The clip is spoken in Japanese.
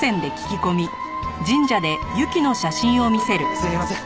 すみません。